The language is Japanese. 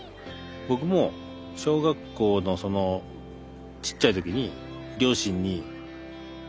僕も小学校のちっちゃい時に両親に作ったんですよ